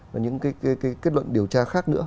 và những cái kết luận điều tra khác nữa